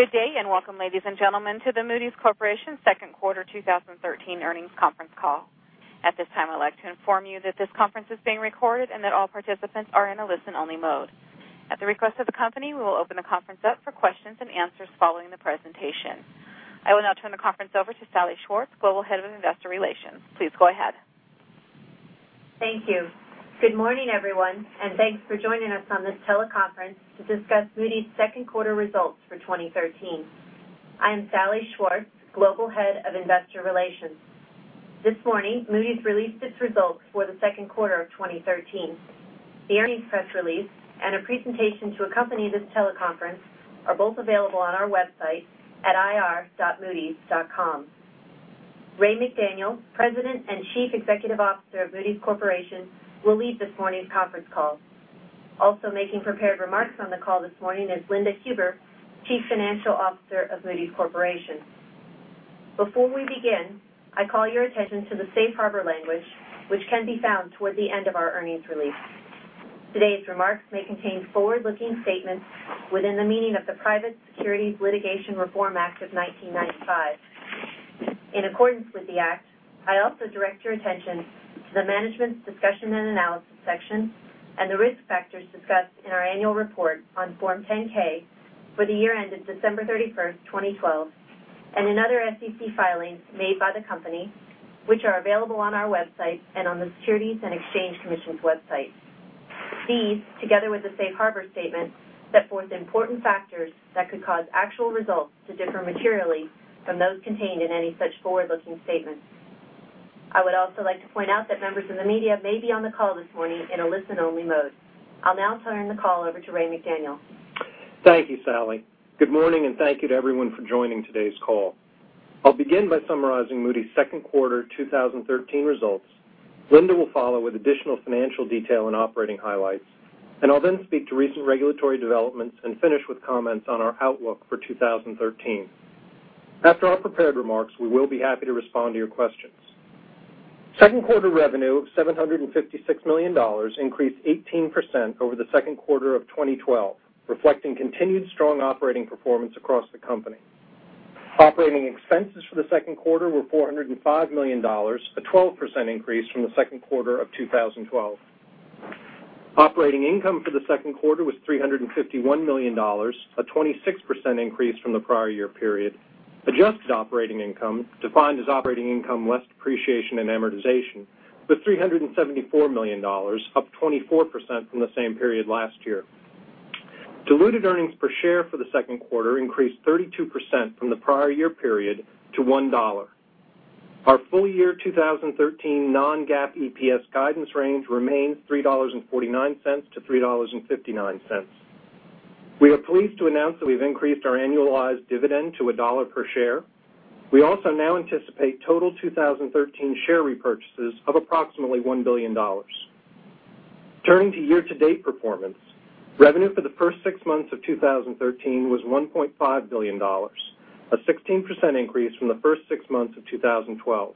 Good day, and welcome, ladies and gentlemen, to the Moody's Corporation second quarter 2013 earnings conference call. At this time, I'd like to inform you that this conference is being recorded and that all participants are in a listen-only mode. At the request of the company, we will open the conference up for questions and answers following the presentation. I will now turn the conference over to Salli Schwartz, Global Head of Investor Relations. Please go ahead. Thank you. Good morning, everyone, and thanks for joining us on this teleconference to discuss Moody's second quarter results for 2013. I am Salli Schwartz, Global Head of Investor Relations. This morning, Moody's released its results for the second quarter of 2013. The earnings press release and a presentation to accompany this teleconference are both available on our website at ir.moodys.com. Raymond McDaniel, President and Chief Executive Officer of Moody's Corporation, will lead this morning's conference call. Also making prepared remarks on the call this morning is Linda Huber, Chief Financial Officer of Moody's Corporation. Before we begin, I call your attention to the safe harbor language which can be found toward the end of our earnings release. Today's remarks may contain forward-looking statements within the meaning of the Private Securities Litigation Reform Act of 1995. In accordance with the act, I also direct your attention to the management's discussion and analysis section and the risk factors discussed in our annual report on Form 10-K for the year ended December 31st, 2012, and in other SEC filings made by the company, which are available on our website and on the Securities and Exchange Commission's website. These, together with the safe harbor statement, set forth important factors that could cause actual results to differ materially from those contained in any such forward-looking statements. I would also like to point out that members of the media may be on the call this morning in a listen-only mode. I'll now turn the call over to Raymond McDaniel. Thank you, Salli. Good morning, and thank you to everyone for joining today's call. I'll begin by summarizing Moody's second quarter 2013 results. Linda will follow with additional financial detail and operating highlights, and I'll then speak to recent regulatory developments and finish with comments on our outlook for 2013. After our prepared remarks, we will be happy to respond to your questions. Second quarter revenue of $756 million increased 18% over the second quarter of 2012, reflecting continued strong operating performance across the company. Operating expenses for the second quarter were $405 million, a 12% increase from the second quarter of 2012. Operating income for the second quarter was $351 million, a 26% increase from the prior year period. Adjusted operating income, defined as operating income less depreciation and amortization, was $374 million, up 24% from the same period last year. Diluted earnings per share for the second quarter increased 32% from the prior year period to $1. Our full year 2013 non-GAAP EPS guidance range remains $3.49-$3.59. We are pleased to announce that we've increased our annualized dividend to $1 per share. We also now anticipate total 2013 share repurchases of approximately $1 billion. Turning to year-to-date performance, revenue for the first six months of 2013 was $1.5 billion, a 16% increase from the first six months of 2012.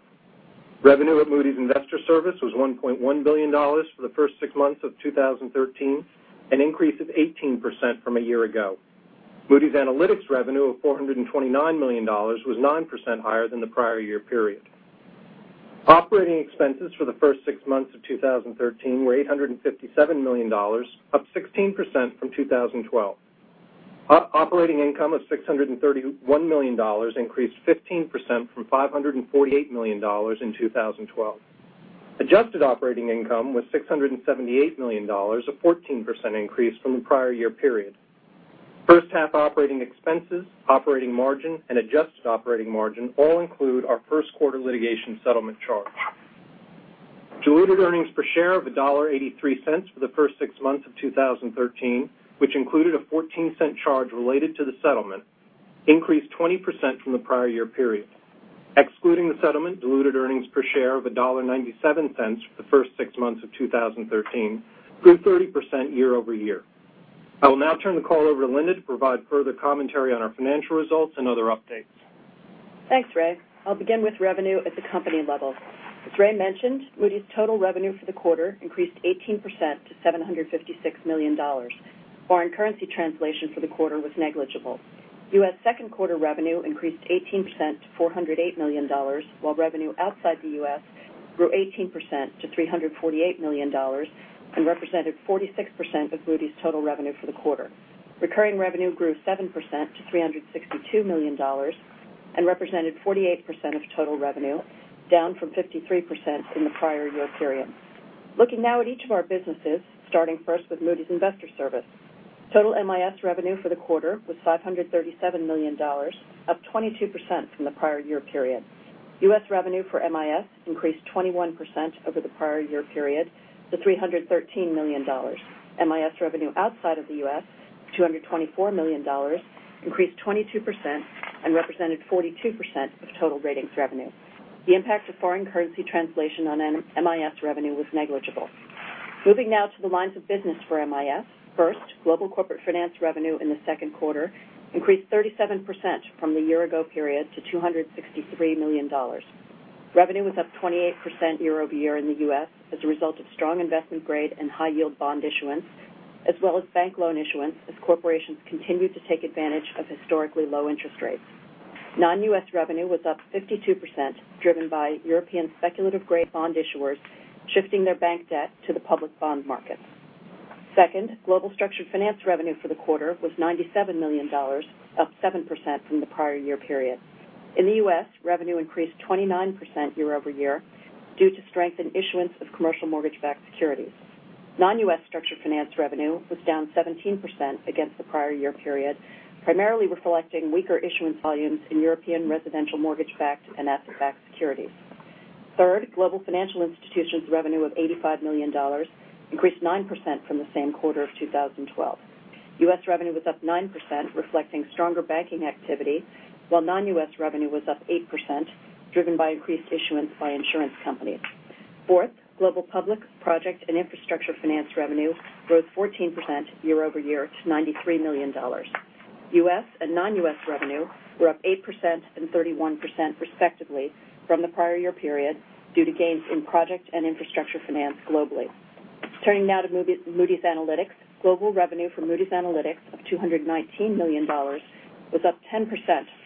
Revenue at Moody's Investors Service was $1.1 billion for the first six months of 2013, an increase of 18% from a year ago. Moody's Analytics revenue of $429 million was 9% higher than the prior year period. Operating expenses for the first six months of 2013 were $857 million, up 16% from 2012. Operating income of $631 million increased 15% from $548 million in 2012. Adjusted operating income was $678 million, a 14% increase from the prior year period. First half operating expenses, operating margin, and adjusted operating margin all include our first quarter litigation settlement charge. Diluted earnings per share of $1.83 for the first six months of 2013, which included a $0.14 charge related to the settlement, increased 20% from the prior year period. Excluding the settlement, diluted earnings per share of $1.97 for the first six months of 2013 grew 30% year-over-year. I will now turn the call over to Linda to provide further commentary on our financial results and other updates. Thanks, Ray. I'll begin with revenue at the company level. As Ray mentioned, Moody's total revenue for the quarter increased 18% to $756 million. Foreign currency translation for the quarter was negligible. U.S. second quarter revenue increased 18% to $408 million, while revenue outside the U.S. grew 18% to $348 million and represented 46% of Moody's total revenue for the quarter. Recurring revenue grew 7% to $362 million and represented 48% of total revenue, down from 53% in the prior year period. Looking now at each of our businesses, starting first with Moody's Investors Service. Total MIS revenue for the quarter was $537 million, up 22% from the prior year period. U.S. revenue for MIS increased 21% over the prior year period to $313 million. MIS revenue outside of the U.S., $224 million, increased 22% and represented 42% of total ratings revenue. The impact of foreign currency translation on MIS revenue was negligible. Moving now to the lines of business for MIS. First, global corporate finance revenue in the second quarter increased 37% from the year-ago period to $263 million. Revenue was up 28% year-over-year in the U.S. as a result of strong investment grade and high yield bond issuance, as well as bank loan issuance as corporations continued to take advantage of historically low interest rates. Non-U.S. revenue was up 52%, driven by European speculative-grade bond issuers shifting their bank debt to the public bond market. Second, global structured finance revenue for the quarter was $97 million, up 7% from the prior year period. In the U.S., revenue increased 29% year-over-year due to strength in issuance of commercial mortgage-backed securities. Non-U.S. structured finance revenue was down 17% against the prior year period, primarily reflecting weaker issuance volumes in European residential mortgage-backed and asset-backed securities. Third, global financial institutions revenue of $85 million increased 9% from the same quarter of 2012. U.S. revenue was up 9%, reflecting stronger banking activity, while non-U.S. revenue was up 8%, driven by increased issuance by insurance companies. Fourth, global public, project, and infrastructure finance revenue growth 14% year-over-year to $93 million. U.S. and non-U.S. revenue were up 8% and 31% respectively from the prior year period due to gains in project and infrastructure finance globally. Turning now to Moody's Analytics. Global revenue for Moody's Analytics of $219 million was up 10%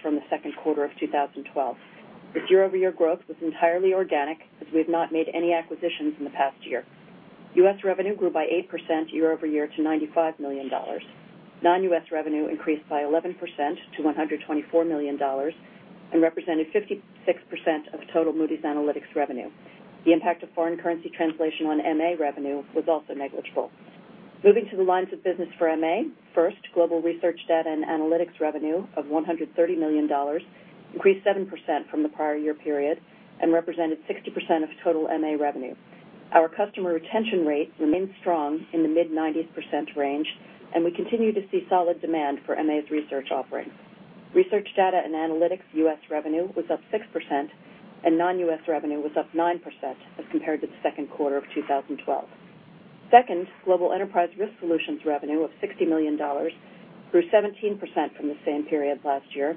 from the second quarter of 2012. The year-over-year growth was entirely organic as we have not made any acquisitions in the past year. U.S. revenue grew by 8% year-over-year to $95 million. Non-U.S. revenue increased by 11% to $124 million and represented 56% of total Moody's Analytics revenue. The impact of foreign currency translation on MA revenue was also negligible. Moving to the lines of business for MA, first, global research data and analytics revenue of $130 million increased 7% from the prior year period and represented 60% of total MA revenue. Our customer retention rate remains strong in the mid-90s% range, and we continue to see solid demand for MA's research offerings. Research data and analytics U.S. revenue was up 6%, and non-U.S. revenue was up 9% as compared to the second quarter of 2012. Second, global enterprise risk solutions revenue of $60 million grew 17% from the same period last year,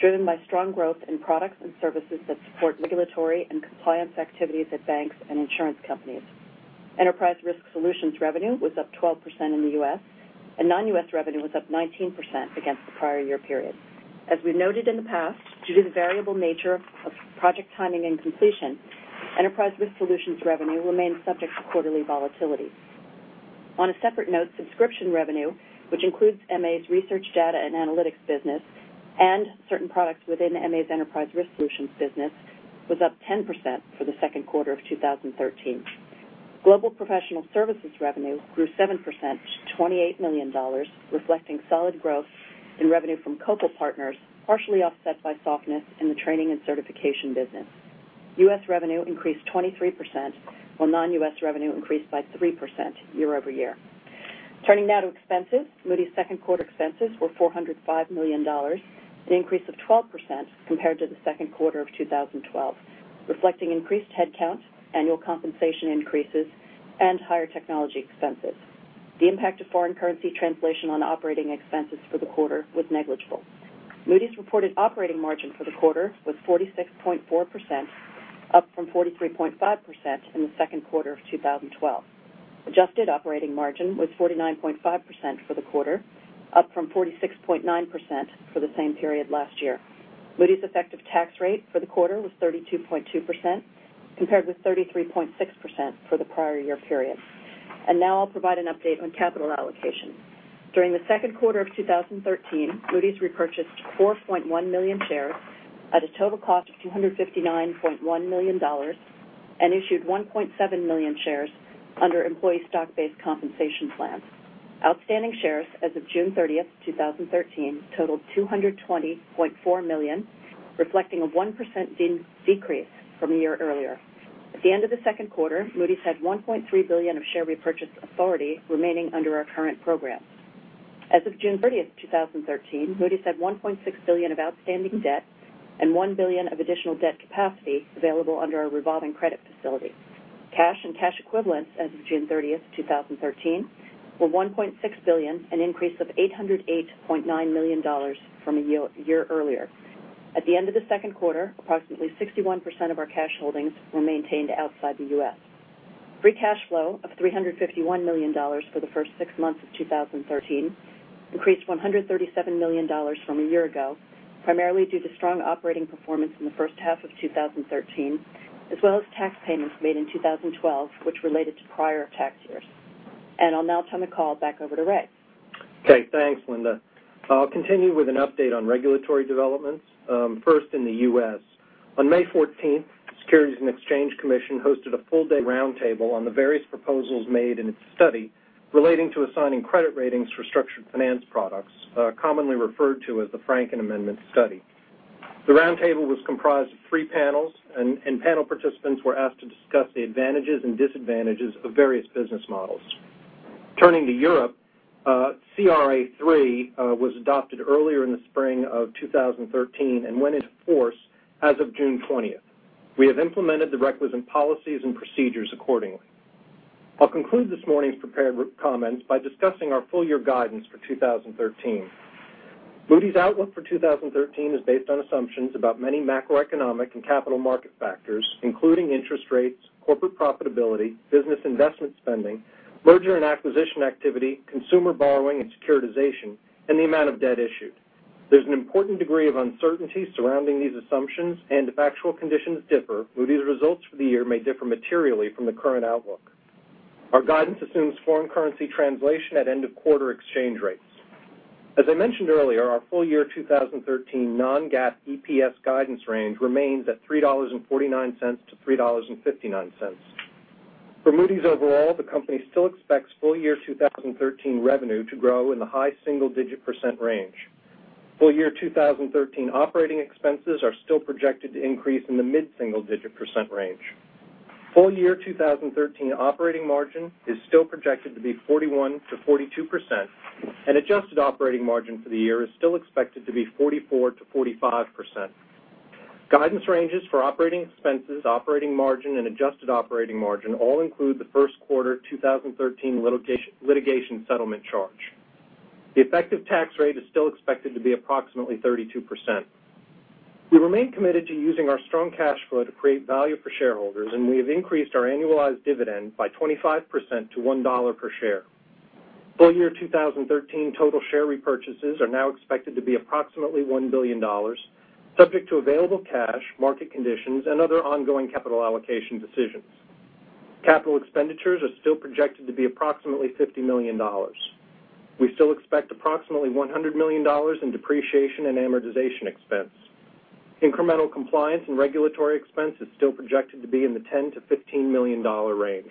driven by strong growth in products and services that support regulatory and compliance activities at banks and insurance companies. Enterprise risk solutions revenue was up 12% in the U.S., and non-U.S. revenue was up 19% against the prior year period. As we noted in the past, due to the variable nature of project timing and completion, enterprise risk solutions revenue remains subject to quarterly volatility. On a separate note, subscription revenue, which includes MA's research data and analytics business and certain products within MA's enterprise risk solutions business, was up 10% for the second quarter of 2013. Global professional services revenue grew 7% to $28 million, reflecting solid growth in revenue from Copal Partners, partially offset by softness in the training and certification business. U.S. revenue increased 23%, while non-U.S. revenue increased by 3% year-over-year. Turning now to expenses. Moody's second quarter expenses were $405 million, an increase of 12% compared to the second quarter of 2012, reflecting increased headcount, annual compensation increases, and higher technology expenses. The impact of foreign currency translation on operating expenses for the quarter was negligible. Moody's reported operating margin for the quarter was 46.4%, up from 43.5% in the second quarter of 2012. Adjusted operating margin was 49.5% for the quarter, up from 46.9% for the same period last year. Moody's effective tax rate for the quarter was 32.2%, compared with 33.6% for the prior year period. Now I'll provide an update on capital allocation. During the second quarter of 2013, Moody's repurchased 4.1 million shares at a total cost of $259.1 million and issued 1.7 million shares under employee stock-based compensation plans. Outstanding shares as of June 30th, 2013 totaled 220.4 million, reflecting a 1% decrease from a year earlier. At the end of the second quarter, Moody's had $1.3 billion of share repurchase authority remaining under our current program. As of June 30th, 2013, Moody's had $1.6 billion of outstanding debt and $1 billion of additional debt capacity available under our revolving credit facility. Cash and cash equivalents as of June 30th, 2013 were $1.6 billion, an increase of $808.9 million from a year earlier. At the end of the second quarter, approximately 61% of our cash holdings were maintained outside the U.S. Free cash flow of $351 million for the first six months of 2013 increased $137 million from a year ago, primarily due to strong operating performance in the first half of 2013, as well as tax payments made in 2012 which related to prior tax years. I'll now turn the call back over to Ray. Okay, thanks, Linda. I'll continue with an update on regulatory developments. First in the U.S. On May 14th, the Securities and Exchange Commission hosted a full-day roundtable on the various proposals made in its study relating to assigning credit ratings for structured finance products, commonly referred to as the Franken Amendment study. The roundtable was comprised of three panels, and panel participants were asked to discuss the advantages and disadvantages of various business models. Turning to Europe, CRA3 was adopted earlier in the spring of 2013 and went into force as of June 20th. We have implemented the requisite policies and procedures accordingly. I'll conclude this morning's prepared comments by discussing our full-year guidance for 2013. Moody's outlook for 2013 is based on assumptions about many macroeconomic and capital market factors, including interest rates, corporate profitability, business investment spending, merger and acquisition activity, consumer borrowing and securitization, and the amount of debt issued. There's an important degree of uncertainty surrounding these assumptions, and if actual conditions differ, Moody's results for the year may differ materially from the current outlook. Our guidance assumes foreign currency translation at end-of-quarter exchange rates. As I mentioned earlier, our full-year 2013 non-GAAP EPS guidance range remains at $3.49-$3.59. For Moody's overall, the company still expects full-year 2013 revenue to grow in the high single-digit % range. Full-year 2013 operating expenses are still projected to increase in the mid-single-digit % range. Full-year 2013 operating margin is still projected to be 41%-42%, and adjusted operating margin for the year is still expected to be 44%-45%. Guidance ranges for operating expenses, operating margin, and adjusted operating margin all include the first quarter 2013 litigation settlement charge. The effective tax rate is still expected to be approximately 32%. We remain committed to using our strong cash flow to create value for shareholders. We have increased our annualized dividend by 25% to $1 per share. Full-year 2013 total share repurchases are now expected to be approximately $1 billion, subject to available cash, market conditions, and other ongoing capital allocation decisions. Capital expenditures are still projected to be approximately $50 million. We still expect approximately $100 million in depreciation and amortization expense. Incremental compliance and regulatory expense is still projected to be in the $10 million-$15 million range.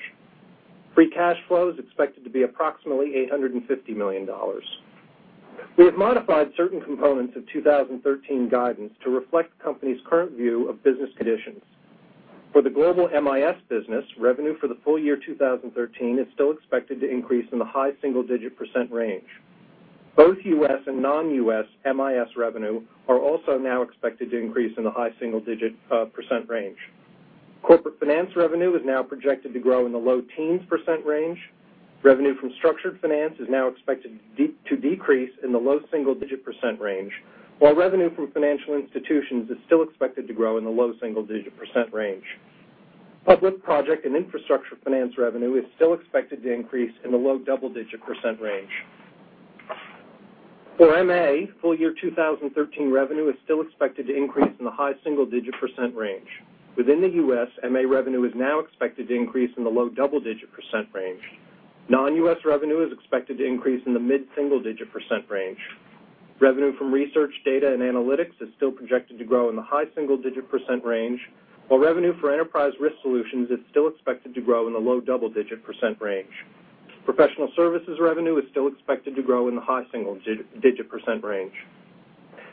Free cash flow is expected to be approximately $850 million. We have modified certain components of 2013 guidance to reflect the company's current view of business conditions. For the global MIS business, revenue for the full year 2013 is still expected to increase in the high single-digit % range. Both U.S. and non-U.S. MIS revenue are also now expected to increase in the high single-digit % range. Corporate finance revenue is now projected to grow in the low teens % range. Revenue from structured finance is now expected to decrease in the low single-digit % range, while revenue from financial institutions is still expected to grow in the low single-digit % range. Public project and infrastructure finance revenue is still expected to increase in the low double-digit % range. For MA, full-year 2013 revenue is still expected to increase in the high single-digit % range. Within the U.S., MA revenue is now expected to increase in the low double-digit % range. Non-U.S. revenue is expected to increase in the mid-single-digit % range. Revenue from research data and analytics is still projected to grow in the high single-digit % range, while revenue for enterprise risk solutions is still expected to grow in the low double-digit % range. Professional services revenue is still expected to grow in the high single-digit % range.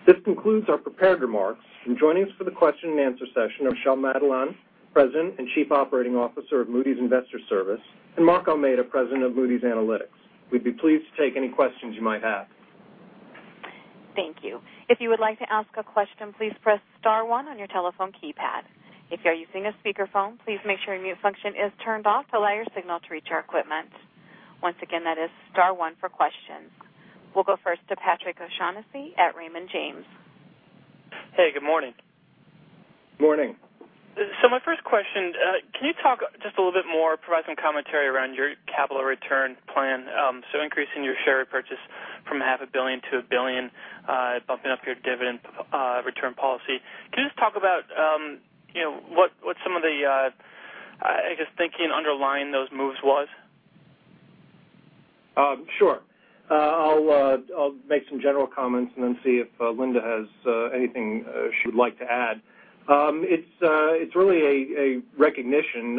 This concludes our prepared remarks. Joining us for the question and answer session are Michel Madelain, President and Chief Operating Officer of Moody's Investors Service, and Mark Almeida, President of Moody's Analytics. We'd be pleased to take any questions you might have. Thank you. If you would like to ask a question, please press *1 on your telephone keypad. If you are using a speakerphone, please make sure your mute function is turned off to allow your signal to reach our equipment. Once again, that is *1 for questions. We'll go first to Patrick O'Shaughnessy at Raymond James. Hey, good morning. Morning. My first question, can you talk just a little bit more, provide some commentary around your capital return plan? Increasing your share repurchase from a half a billion to a billion, bumping up your dividend return policy. Can you just talk about what some of the thinking underlying those moves was? Sure. I'll make some general comments and then see if Linda has anything she would like to add. It's really a recognition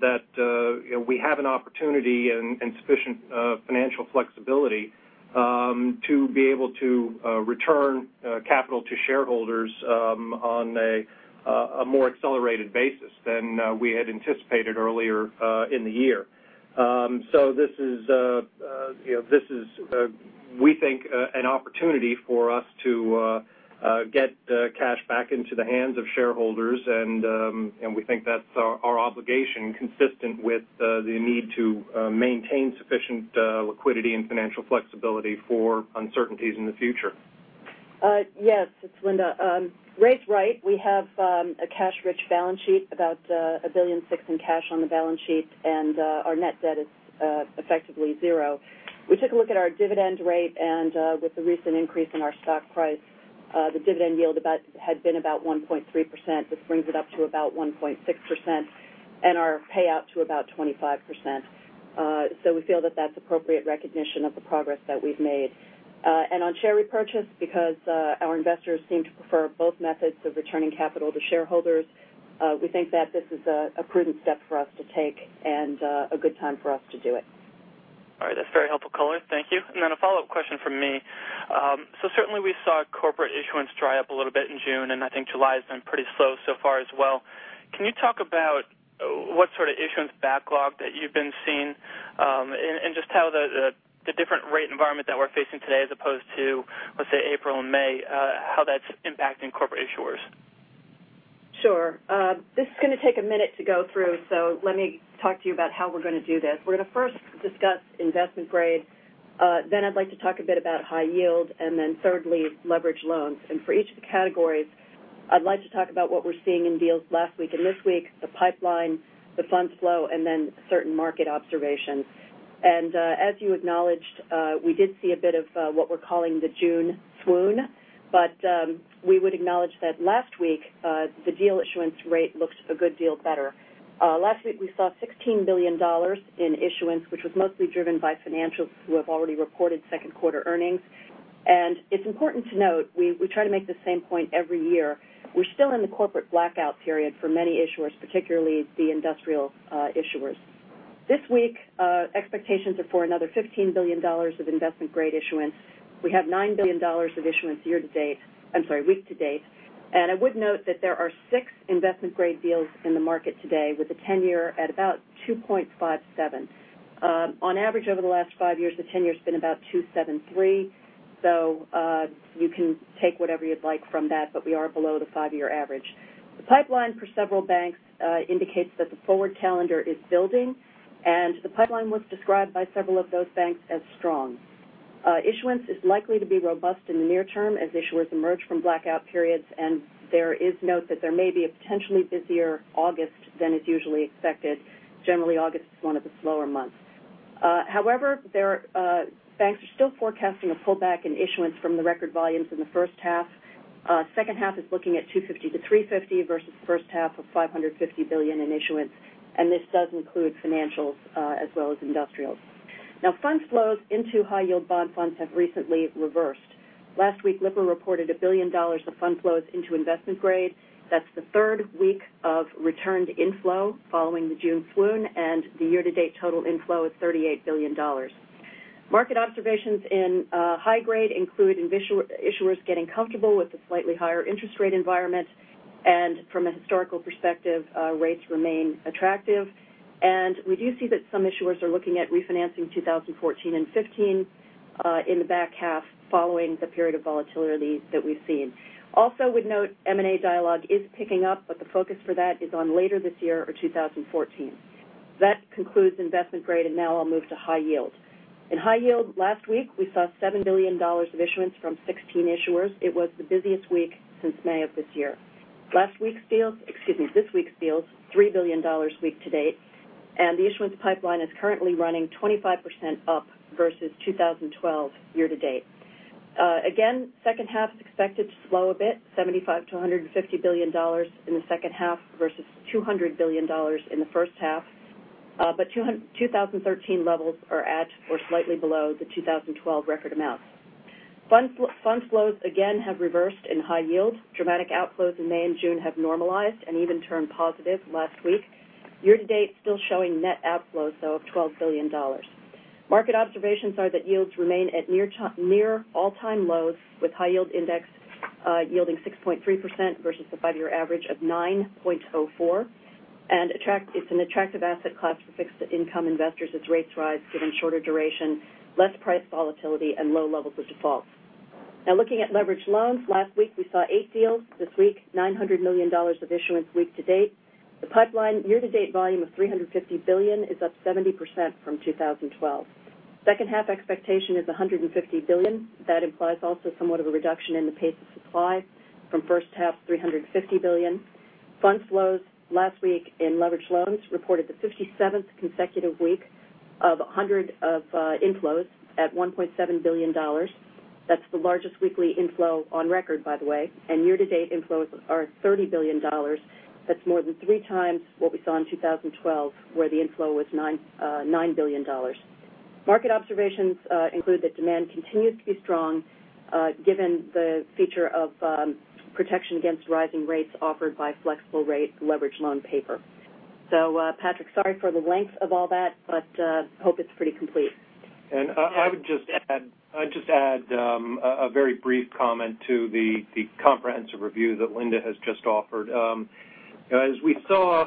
that we have an opportunity and sufficient financial flexibility to be able to return capital to shareholders on a more accelerated basis than we had anticipated earlier in the year. This is, we think, an opportunity for us to get cash back into the hands of shareholders, and we think that's our obligation consistent with the need to maintain sufficient liquidity and financial flexibility for uncertainties in the future. Yes, it's Linda. Ray's right. We have a cash-rich balance sheet, about $1.6 billion in cash on the balance sheet, and our net debt is effectively zero. We took a look at our dividend rate, and with the recent increase in our stock price, the dividend yield had been about 1.3%. This brings it up to about 1.6%, and our payout to about 25%. We feel that that's appropriate recognition of the progress that we've made. On share repurchase, because our investors seem to prefer both methods of returning capital to shareholders, we think that this is a prudent step for us to take and a good time for us to do it. That's very helpful color. Thank you. A follow-up question from me. Certainly we saw corporate issuance dry up a little bit in June, and I think July has been pretty slow so far as well. Can you talk about what sort of issuance backlog that you've been seeing, and just how the different rate environment that we're facing today as opposed to, let's say, April and May, how that's impacting corporate issuers? Sure. This is going to take a minute to go through. Let me talk to you about how we're going to do this. We're going to first discuss investment grade. I'd like to talk a bit about high yield, and then thirdly, leverage loans. For each of the categories, I'd like to talk about what we're seeing in deals last week and this week, the pipeline, the fund flow, and then certain market observations. As you acknowledged, we did see a bit of what we're calling the June swoon, but we would acknowledge that last week, the deal issuance rate looks a good deal better. Last week, we saw $16 billion in issuance, which was mostly driven by financials who have already reported second quarter earnings. It's important to note, we try to make the same point every year, we're still in the corporate blackout period for many issuers, particularly the industrial issuers. This week, expectations are for another $15 billion of investment-grade issuance. We have $9 billion of issuance year to date-- I'm sorry, week to date. I would note that there are six investment-grade deals in the market today with the ten-year at about 2.57. On average, over the last five years, the ten-year's been about 273. You can take whatever you'd like from that, but we are below the five-year average. The pipeline for several banks indicates that the forward calendar is building, and the pipeline was described by several of those banks as strong. Issuance is likely to be robust in the near term as issuers emerge from blackout periods, and there is note that there may be a potentially busier August than is usually expected. Generally, August is one of the slower months. However, banks are still forecasting a pullback in issuance from the record volumes in the first half. Second half is looking at $250 billion-$350 billion versus the first half of $550 billion in issuance, and this does include financials as well as industrials. Fund flows into high-yield bond funds have recently reversed. Last week, Lipper reported $1 billion of fund flows into investment grade. That's the third week of return to inflow following the June swoon. The year-to-date total inflow is $38 billion. Market observations in high grade include issuers getting comfortable with the slightly higher interest rate environment. From a historical perspective, rates remain attractive. We do see that some issuers are looking at refinancing 2014 and 2015 in the back half following the period of volatility that we've seen. Also would note M&A dialogue is picking up, the focus for that is on later this year or 2014. That concludes investment grade, now I'll move to high yield. In high yield, last week, we saw $7 billion of issuance from 16 issuers. It was the busiest week since May of this year. Last week's deals, excuse me, this week's deals, $3 billion week to date. The issuance pipeline is currently running 25% up versus 2012 year to date. Again, second half is expected to slow a bit, $75 billion-$150 billion in the second half versus $200 billion in the first half. 2013 levels are at or slightly below the 2012 record amounts. Fund flows again have reversed in high yield. Dramatic outflows in May and June have normalized and even turned positive last week. Year to date, still showing net outflows, though, of $12 billion. Market observations are that yields remain at near all-time lows, with high-yield index yielding 6.3% versus the five-year average of 9.04%. Looking at leverage loans, last week we saw eight deals. This week, $900 million of issuance week to date. The pipeline year-to-date volume of $350 billion is up 70% from 2012. Second half expectation is $150 billion. That implies also somewhat of a reduction in the pace of supply from first half $350 billion. Fund flows last week in leverage loans reported the 57th consecutive week of hundred of inflows at $1.7 billion. That's the largest weekly inflow on record, by the way, year-to-date inflows are $30 billion. That's more than three times what we saw in 2012, where the inflow was $9 billion. Market observations include that demand continues to be strong given the feature of protection against rising rates offered by flexible rate leverage loan paper. Patrick, sorry for the length of all that, hope it's pretty complete. I would just add a very brief comment to the comprehensive review that Linda has just offered. As we saw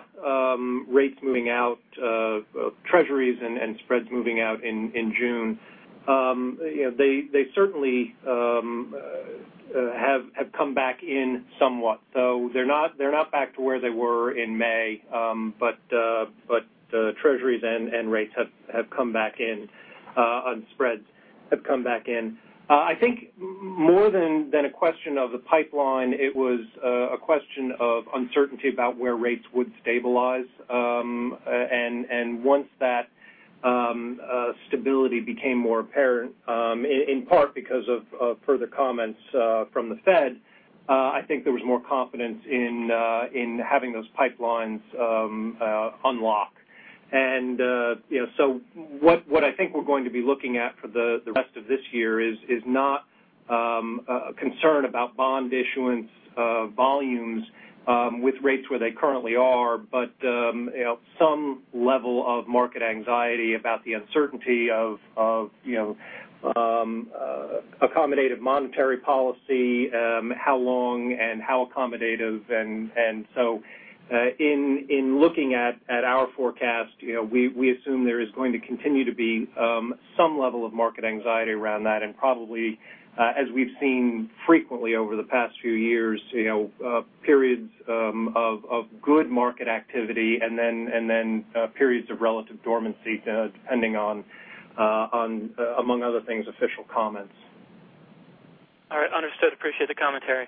rates moving out of treasuries and spreads moving out in June, they certainly have come back in somewhat, though they're not back to where they were in May, treasuries and rates have come back in on spreads have come back in. I think more than a question of the pipeline, it was a question of uncertainty about where rates would stabilize. Once that stability became more apparent, in part because of further comments from the Fed, I think there was more confidence in having those pipelines unlock. What I think we're going to be looking at for the rest of this year is not a concern about bond issuance volumes with rates where they currently are, but some level of market anxiety about the uncertainty of accommodative monetary policy, how long and how accommodative. In looking at our forecast, we assume there is going to continue to be some level of market anxiety around that, and probably as we've seen frequently over the past few years, periods of good market activity and then periods of relative dormancy, depending on, among other things, official comments. All right. Understood. Appreciate the commentary.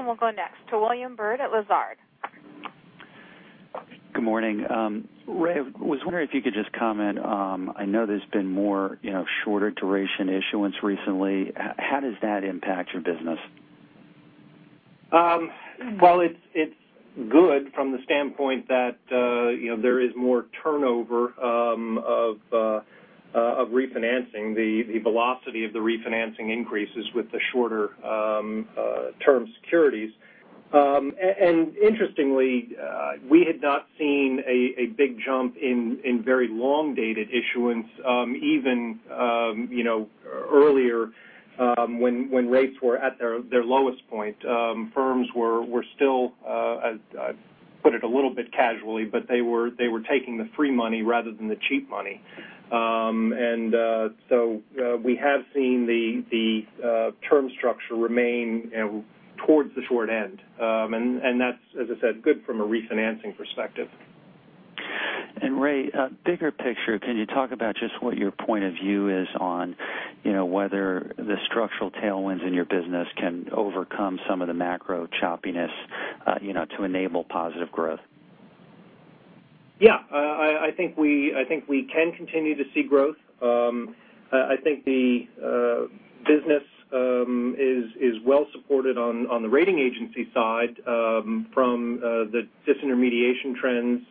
We'll go next to William Bird at Lazard. Good morning. Ray, I was wondering if you could just comment. I know there's been more shorter duration issuance recently. How does that impact your business? Well, it's good from the standpoint that there is more turnover of refinancing. The velocity of the refinancing increases with the shorter term securities. Interestingly, we had not seen a big jump in very long-dated issuance, even earlier when rates were at their lowest point. Firms were still, I put it a little bit casually, but they were taking the free money rather than the cheap money. So we have seen the term structure remain towards the short end. That's, as I said, good from a refinancing perspective. Ray, bigger picture, can you talk about just what your point of view is on whether the structural tailwinds in your business can overcome some of the macro choppiness to enable positive growth? Yeah. I think we can continue to see growth. I think the business is well supported on the rating agency side from the disintermediation trends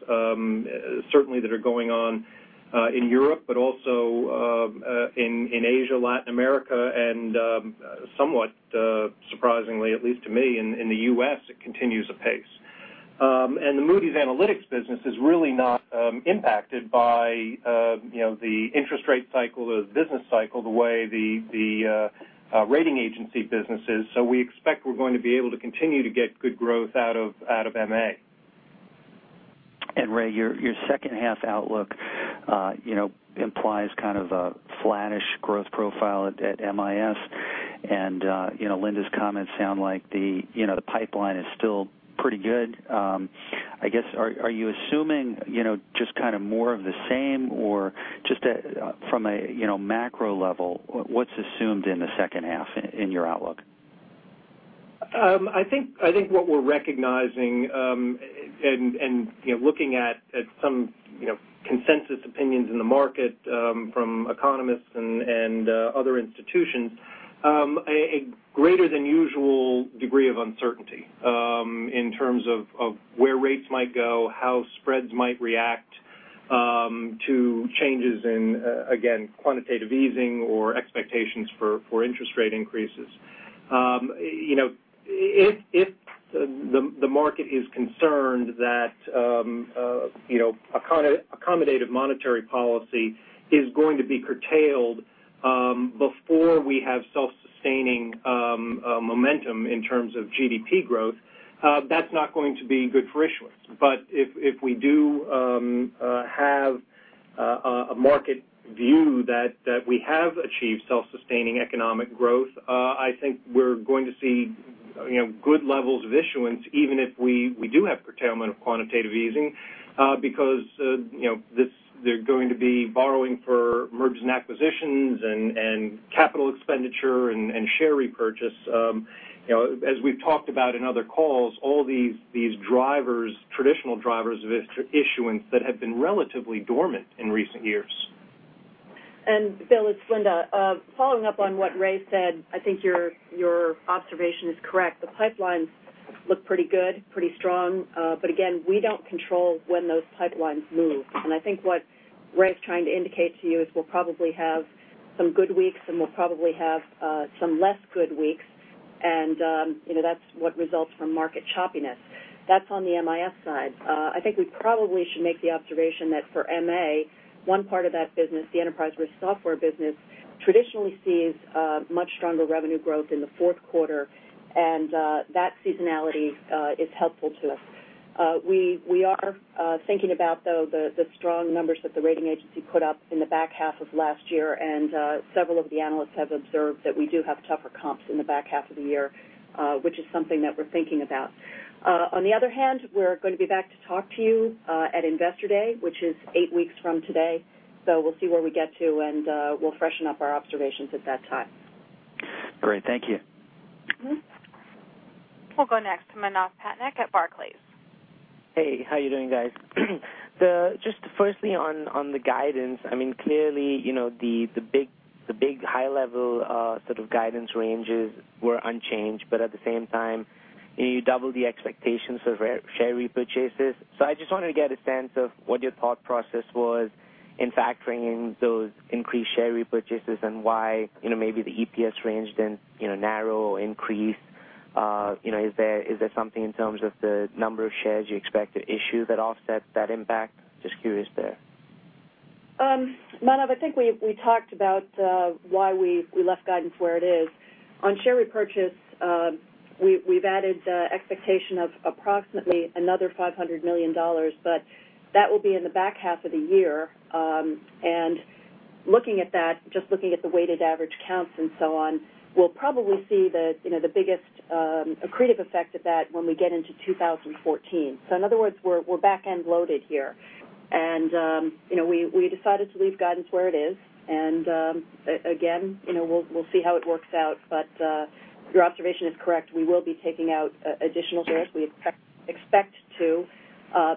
certainly that are going on in Europe, but also in Asia, Latin America, and somewhat surprisingly, at least to me, in the U.S., it continues apace. The Moody's Analytics business is really not impacted by the interest rate cycle, the business cycle, the way the rating agency business is. We expect we're going to be able to continue to get good growth out of MA. Ray, your second half outlook implies kind of a flattish growth profile at MIS. Linda's comments sound like the pipeline is still pretty good. I guess, are you assuming just kind of more of the same, or just from a macro level, what's assumed in the second half in your outlook? I think what we're recognizing and looking at some consensus opinions in the market from economists and other institutions, a greater than usual degree of uncertainty in terms of where rates might go, how spreads might react to changes in, again, quantitative easing or expectations for interest rate increases. If the market is concerned that accommodative monetary policy is going to be curtailed before we have self-sustaining momentum in terms of GDP growth, that's not going to be good for issuers. If we do have a market view that we have achieved self-sustaining economic growth I think we're going to see good levels of issuance, even if we do have curtailment of quantitative easing because they're going to be borrowing for mergers and acquisitions and capital expenditure and share repurchase. As we've talked about in other calls, all these traditional drivers of issuance that have been relatively dormant in recent years. Bill, it's Linda. Following up on what Ray said, I think your observation is correct. The pipelines look pretty good, pretty strong. Again, we don't control when those pipelines move. I think what Ray's trying to indicate to you is we'll probably have some good weeks, and we'll probably have some less good weeks. That's what results from market choppiness. That's on the MIS side. I think we probably should make the observation that for MA, one part of that business, the enterprise risk software business, traditionally sees much stronger revenue growth in the fourth quarter, and that seasonality is helpful to us. We are thinking about, though, the strong numbers that the rating agency put up in the back half of last year, and several of the analysts have observed that we do have tougher comps in the back half of the year, which is something that we're thinking about. On the other hand, we're going to be back to talk to you at Investor Day, which is eight weeks from today. We'll see where we get to, and we'll freshen up our observations at that time. Great. Thank you. We'll go next to Manav Patnaik at Barclays. Hey, how you doing, guys? Firstly on the guidance, clearly the big high level sort of guidance ranges were unchanged, but at the same time, you double the expectations of share repurchases. I just wanted to get a sense of what your thought process was in factoring in those increased share repurchases and why maybe the EPS range didn't narrow or increase. Is there something in terms of the number of shares you expect to issue that offsets that impact? Just curious there. Manav, I think we talked about why we left guidance where it is. On share repurchase, we've added the expectation of approximately another $500 million, but that will be in the back half of the year. Looking at that, just looking at the weighted average counts and so on, we'll probably see the biggest accretive effect of that when we get into 2014. In other words, we're back-end loaded here. We decided to leave guidance where it is. Again, we'll see how it works out. Your observation is correct. We will be taking out additional shares. We expect to.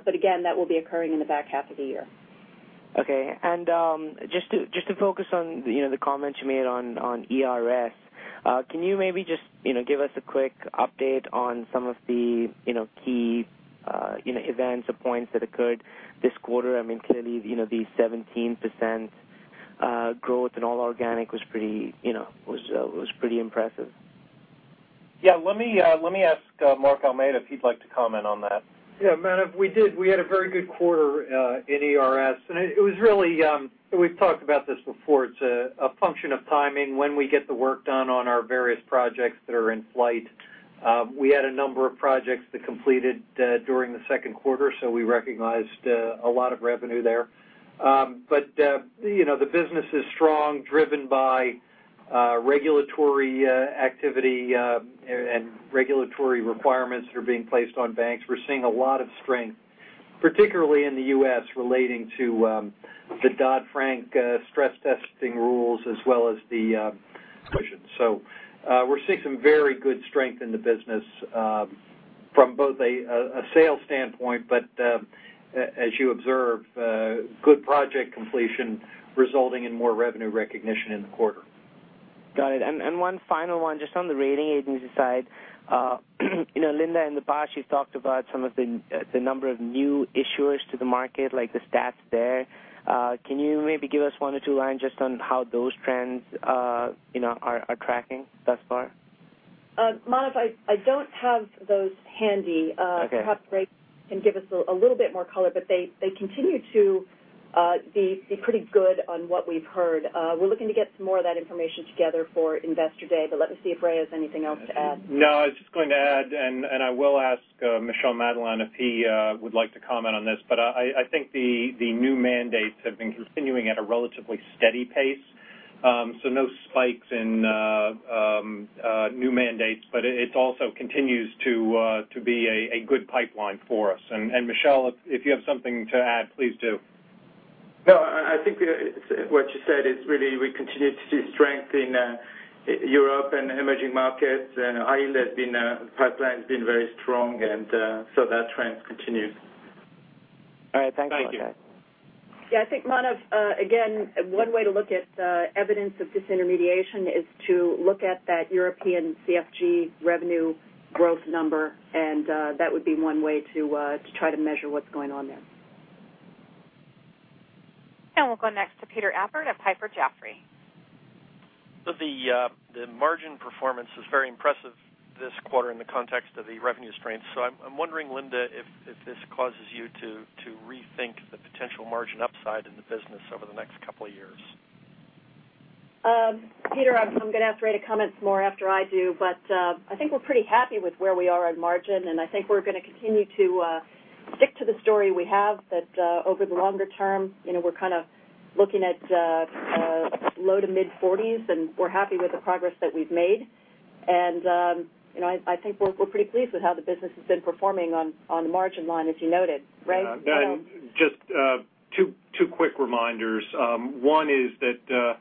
Again, that will be occurring in the back half of the year. Okay. Just to focus on the comments you made on ERS, can you maybe just give us a quick update on some of the key events or points that occurred this quarter? Clearly, the 17% growth in all organic was pretty impressive. Yeah, let me ask Mark Almeida if he'd like to comment on that. Yeah, Manav, we did. We had a very good quarter in ERS. We've talked about this before. It's a function of timing when we get the work done on our various projects that are in flight. We had a number of projects that completed during the second quarter, so we recognized a lot of revenue there. The business is strong, driven by regulatory activity and regulatory requirements that are being placed on banks. We're seeing a lot of strength, particularly in the U.S. relating to the Dodd-Frank stress testing rules as well as the cushion. We're seeing some very good strength in the business from both a sales standpoint, but as you observe, good project completion resulting in more revenue recognition in the quarter. Got it. One final one just on the rating agency side. Linda, in the past, you've talked about some of the number of new issuers to the market, like the stats there. Can you maybe give us one or two lines just on how those trends are tracking thus far? Manav, I don't have those handy. Okay. Perhaps Ray can give us a little bit more color. They continue to be pretty good on what we've heard. We're looking to get some more of that information together for Investor Day. Let me see if Ray has anything else to add. I was just going to add, I will ask Michel Madelain if he would like to comment on this. I think the new mandates have been continuing at a relatively steady pace. No spikes in new mandates, it also continues to be a good pipeline for us. Michel if you have something to add, please do. I think what you said is really we continue to see strength in Europe and emerging markets. [IL] has been a pipeline's been very strong, that trend continues. All right. Thanks a lot. Thank you. Yeah, I think Manav again, one way to look at evidence of disintermediation is to look at that European CFG revenue growth number, that would be one way to try to measure what's going on there. We'll go next to Peter Appert of Piper Jaffray. The margin performance is very impressive this quarter in the context of the revenue strength. I'm wondering, Linda, if this causes you to rethink the potential margin upside in the business over the next couple of years. Peter, I'm going to ask Ray to comment more after I do, but I think we're pretty happy with where we are on margin, and I think we're going to continue to stick to the story we have that over the longer term, we're kind of looking at low to mid-40s, and we're happy with the progress that we've made. I think we're pretty pleased with how the business has been performing on the margin line, as you noted. Ray? Just two quick reminders. One is that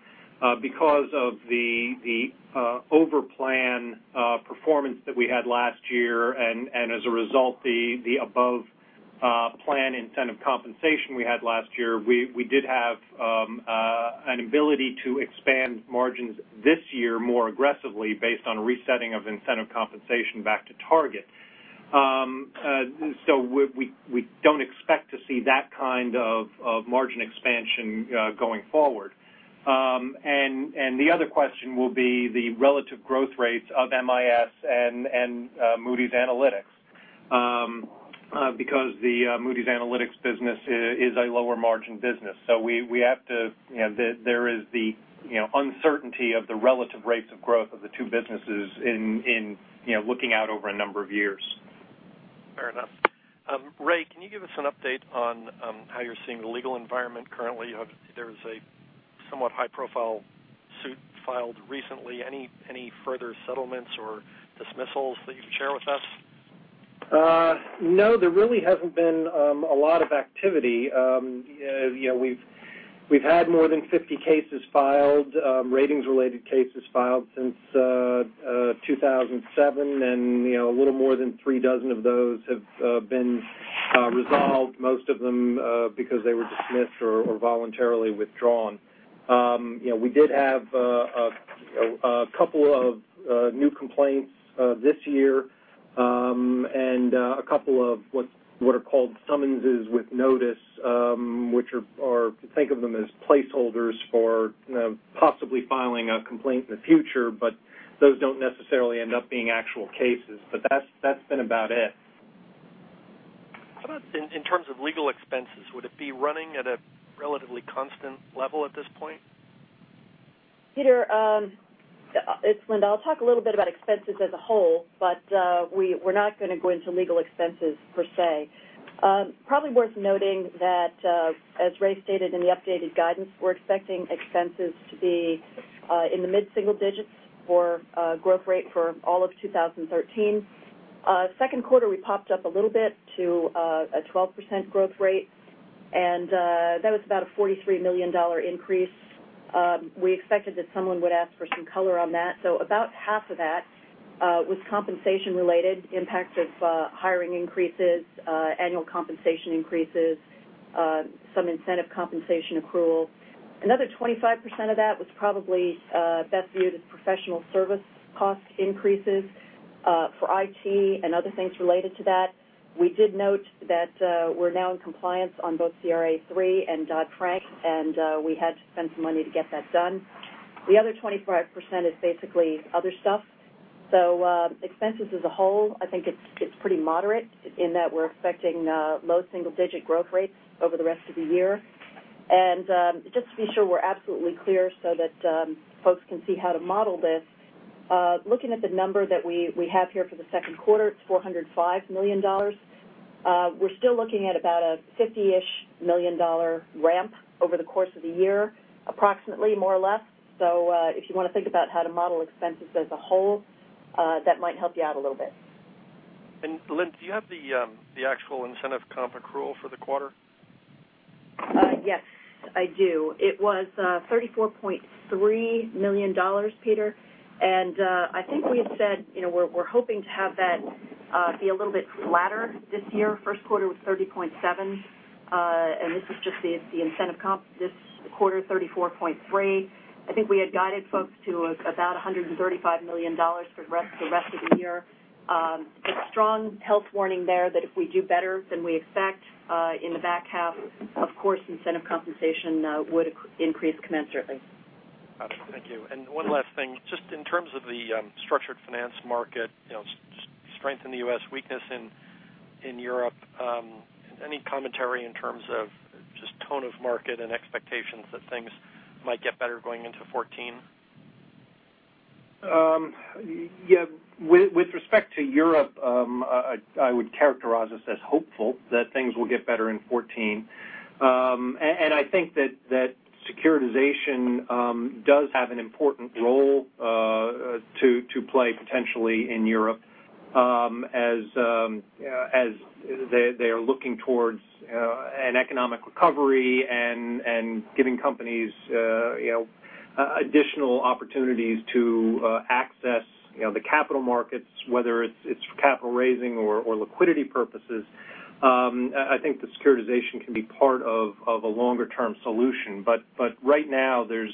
because of the over-plan performance that we had last year, and as a result, the above-plan incentive compensation we had last year, we did have an ability to expand margins this year more aggressively based on resetting of incentive compensation back to target. We don't expect to see that kind of margin expansion going forward. The other question will be the relative growth rates of MIS and Moody's Analytics because the Moody's Analytics business is a lower margin business. There is the uncertainty of the relative rates of growth of the two businesses in looking out over a number of years. Fair enough. Ray, can you give us an update on how you're seeing the legal environment currently? There's a somewhat high-profile suit filed recently. Any further settlements or dismissals that you can share with us? No, there really hasn't been a lot of activity. We've had more than 50 cases filed, ratings-related cases filed since 2007, and a little more than three dozen of those have been resolved, most of them because they were dismissed or voluntarily withdrawn. We did have a couple of new complaints this year, and a couple of what are called summonses with notice, which are, think of them as placeholders for possibly filing a complaint in the future, but those don't necessarily end up being actual cases. That's been about it. How about in terms of legal expenses, would it be running at a relatively constant level at this point? Peter, it's Linda. I'll talk a little bit about expenses as a whole, but we're not going to go into legal expenses per se. Probably worth noting that, as Ray stated in the updated guidance, we're expecting expenses to be in the mid-single digits for growth rate for all of 2013. Second quarter, we popped up a little bit to a 12% growth rate, and that was about a $43 million increase. We expected that someone would ask for some color on that. About half of that was compensation related impact of hiring increases, annual compensation increases, some incentive compensation accrual. Another 25% of that was probably best viewed as professional service cost increases for IT and other things related to that. We did note that we're now in compliance on both CRA3 and Dodd-Frank, and we had to spend some money to get that done. The other 25% is basically other stuff. Expenses as a whole, I think it's pretty moderate in that we're expecting low single-digit growth rates over the rest of the year. Just to be sure we're absolutely clear so that folks can see how to model this, looking at the number that we have here for the second quarter, it's $405 million. We're still looking at about a $50-ish million ramp over the course of the year, approximately more or less. If you want to think about how to model expenses as a whole, that might help you out a little bit. Linda, do you have the actual incentive comp accrual for the quarter? Yes, I do. It was $34.3 million, Peter, I think we had said we're hoping to have that be a little bit flatter this year. First quarter was $30.7, this is just the incentive comp. This quarter, $34.3. I think we had guided folks to about $135 million for the rest of the year. A strong health warning there that if we do better than we expect in the back half, of course, incentive compensation would increase commensurately. Got you. Thank you. One last thing. Just in terms of the structured finance market, strength in the U.S., weakness in Europe. Any commentary in terms of just tone of market and expectations that things might get better going into 2014? Yeah. With respect to Europe, I would characterize this as hopeful that things will get better in 2014. I think that securitization does have an important role to play potentially in Europe as they are looking towards an economic recovery and giving companies additional opportunities to access the capital markets, whether it's for capital raising or liquidity purposes. I think that securitization can be part of a longer-term solution. Right now there's